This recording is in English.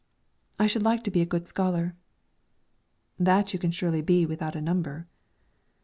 "I should like to be a good scholar." "That you can surely be without a number."